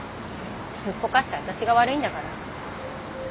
すっぽかした私が悪いんだから。